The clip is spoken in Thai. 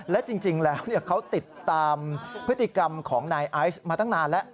และจริงแล้วเขาติดตามพฤติกรรมของนายไอซ์มาตั้งนานแล้ว